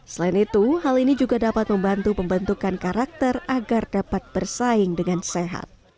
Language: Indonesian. selain itu hal ini juga dapat membantu pembentukan karakter agar dapat bersaing dengan sehat